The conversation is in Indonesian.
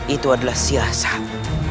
itu adalah siasat